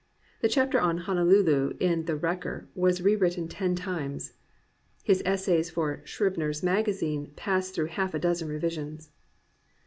The chapter on Honolulu in The Wrecker, was rewritten ten times. His essays for Scribner^s Magazine passed through half a dozen revisions.